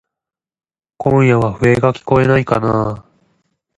今夜は笛がきこえないかなぁ。